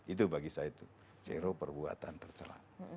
itu bagi saya itu zero perbuatan terserah